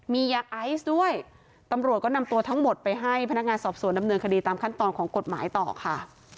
มียาไอซ์ด้วยตำรวจก็นำตัวทั้งหมดไปให้พนักงานสอบสวนดำเนินคดีตามขั้นตอนของกฎหมายต่อค่ะ